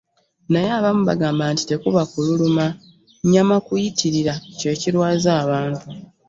Naye abamu bagamba nti tekuba kululuma, nnyama kuyitirira kye kirwaza abantu.